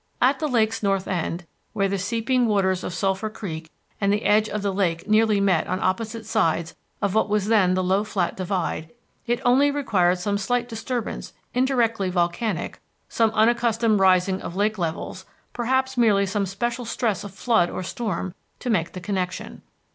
At the lake's north end, where the seeping waters of Sulphur Creek and the edge of the lake nearly met on opposite sides of what was then the low flat divide, it only required some slight disturbance indirectly volcanic, some unaccustomed rising of lake levels, perhaps merely some special stress of flood or storm to make the connection.